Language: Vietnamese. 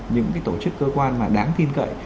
những tổ chức cơ quan mà đáng tin cậy